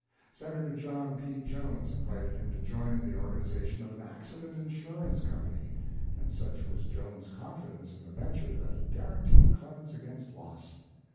Senator John P. Jones invited him to join in the organization of an accident insurance company, and such was Jones's confidence in the venture that he guaranteed Clemens against loss.